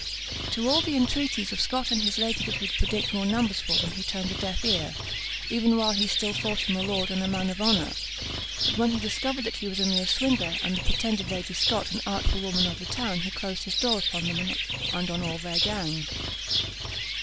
To all the entreaties of Scot and his lady that he would predict more numbers for them, he turned a deaf ear, even while he still thought him a lord and a man of honour; but when he discovered that he was a mere swindler, and the pretended Lady Scot an artful woman of the town, he closed his door upon them and on all their gang.